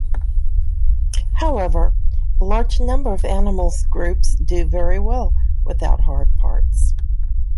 However, a large number of animals groups do very well without hard parts.